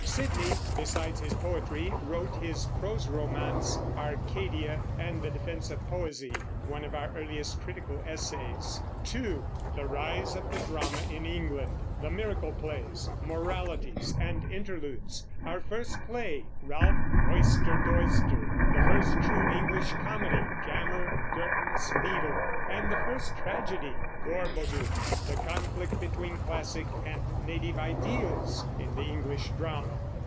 Sidney, besides his poetry, wrote his prose romance Arcadia, and The Defense of Poesie, one of our earliest critical essays. (2) The Rise of the Drama in England; the Miracle plays, Moralities, and Interludes; our first play, "Ralph Royster Doyster"; the first true English comedy, "Gammer Gurton's Needle," and the first tragedy, "Gorboduc"; the conflict between classic and native ideals in the English drama.